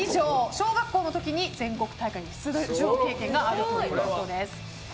小学校の時に、全国大会に出場経験があるということです。